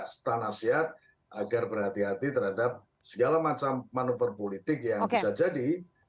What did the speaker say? setanah sehat agar berhati hati terhadap segala macam manuver politik yang bisa jadi